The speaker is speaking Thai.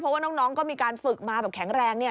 เพราะว่าน้องก็มีการฝึกมาแบบแข็งแรงเนี่ย